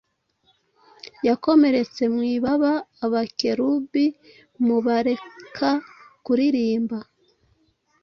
yakomeretse mu ibaba, Abakerubimu bareka kuririmba.